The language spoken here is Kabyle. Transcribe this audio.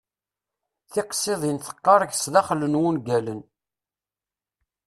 Tiqsiḍin teqqar sdaxel d wungalen.